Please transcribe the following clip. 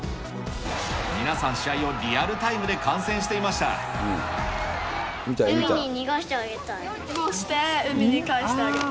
皆さん試合をリアルタイムで観戦海に逃がしてあげたい。